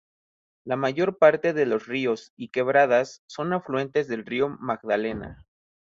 La mayor parte de los ríos y quebradas son afluentes del Río Magdalena.